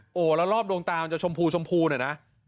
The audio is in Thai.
โหแล้วรอบลงตามจะชมพูเนี่ยนะ